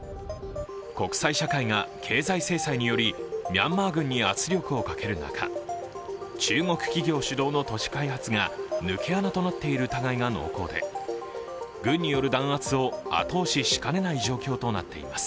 国際社会が経済制裁によりミャンマー軍に圧力をかける中、中国企業主導の都市開発が抜け穴となっている疑いが濃厚で、軍による弾圧を後押ししかねない状況となっています。